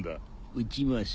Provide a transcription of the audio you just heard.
撃ちます。